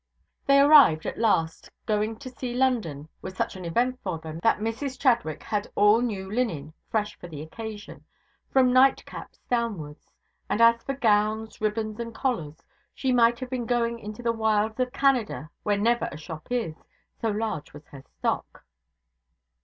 They arrived at last. Going to see London was such an event to them, that Mrs Chadwick had made all new linen fresh for the occasion from night caps downwards; and as for gowns, ribbons, and collars, she might have been going into the wilds of Canada where never a shop is, so large was her stock.